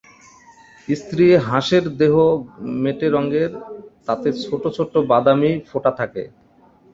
স্ত্রী হাঁসের দেহ মেটে রঙের, তাতে ছোট ছোট বাদামী ফোঁটা থাকে।